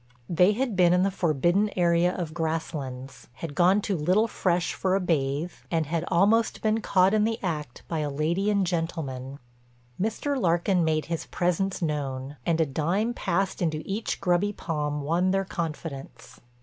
They had been in the forbidden area of Grasslands, had gone to Little Fresh for a bathe, and had almost been caught in the act by a lady and gentleman. Mr. Larkin made his presence known, and a dime passed into each grubby palm won their confidence.